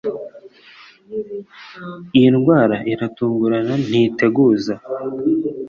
Iyi ndwara iratungurana ntiteguza